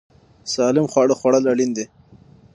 سالم خواړه خوړل اړین دي.